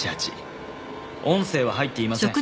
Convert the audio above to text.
音声は入っていません。